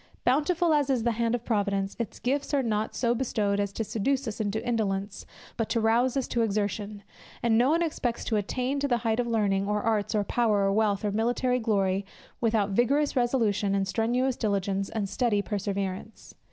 Bountiful as is the hand of Providence, its gifts are not so bestowed as to seduce us into indolence, but to rouse us to exertion; and no one expects to attain to the height of learning, or arts, or power, or wealth, or military glory, without vigorous resolution, and strenuous diligence, and steady perseverance.